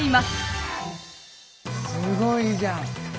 すごいじゃん。